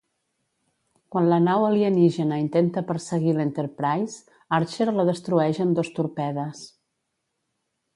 Quan la nau alienígena intenta perseguir l'Enterprise, Archer la destrueix amb dos torpedes.